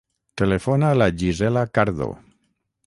Telefona a la Gisela Cardo.